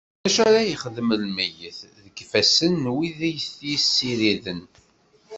D acu ara yexdem lmeyyet deg ifassen n wi t-yessiriden!